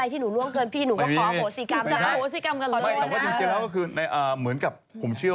ต้องให้เข้าใจ